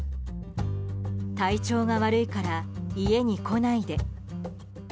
体調が悪いから家に来ないで。